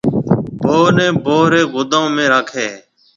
ڀوه نَي ڀوه ريَ گُدوم ۾ راکَي هيَ۔